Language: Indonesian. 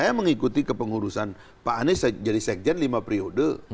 saya mengikuti kepengurusan pak anies jadi sekjen lima periode